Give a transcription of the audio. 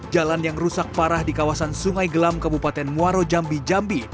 jalan yang rusak parah di kawasan sungai gelam kabupaten muaro jambi jambi